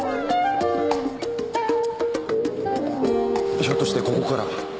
ひょっとしてここから。